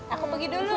aku pergi dulu